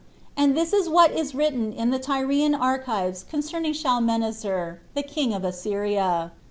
And this is what is written in the Tyrian archives concerning Shalmaneser, the king of Assyria.